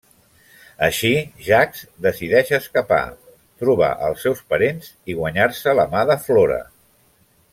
Així Jacques decideix escapar, trobar als seus parents i guanyar-se la mà de Flora.